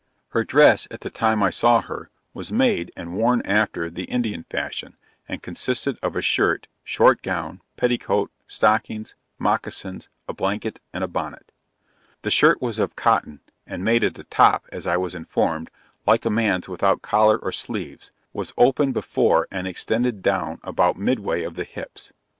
Her dress at the time I saw her, was made and worn after, the Indian fashion, and consisted of a shirt, short gown, petticoat, stockings, moccasins, a blanket and a bonnet. The shirt was of cotton and made at the top, as I was informed, like a man's without collar or sleeves was open before and extended down about midway of the hips.